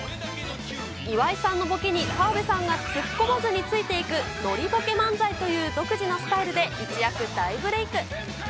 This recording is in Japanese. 岩井さんのボケに澤部さんが突っ込まずについていく、ノリボケ漫才という独自のスタイルで、一躍大ブレーク。